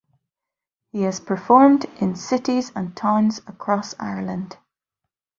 He has performed in cities and towns across Ireland.